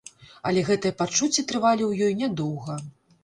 Але гэтыя пачуцці трывалі ў ёй нядоўга.